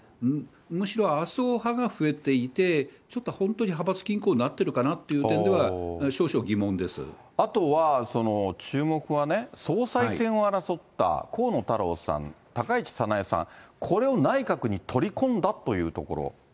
むしろ麻生派が増えていて、ちょっと本当に派閥均衡になってるかなっていう点では、少々疑問あとは注目はね、総裁選を争った河野太郎さん、高市早苗さん、これを内閣に取り込んだというところ。